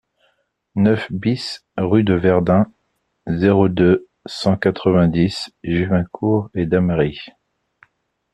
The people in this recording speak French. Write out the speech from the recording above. neuf BIS rue de Verdun, zéro deux, cent quatre-vingt-dix, Juvincourt-et-Damary